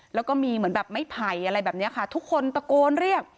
แล้วก็มีเหมือนแบบไม่ไผ่อะไรแบบนี้ค่ะทุกคนตะโกนเรียก